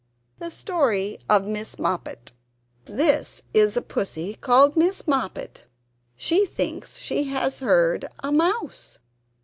THE STORY OF MISS MOPPET This is a Pussy called Miss Moppet; she thinks she has heard a mouse!